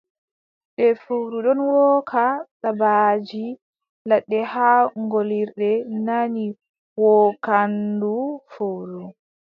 Nde fowru ɗon wooka, dabbaaji ladde haa ngoolirde nani wookaandu fowru.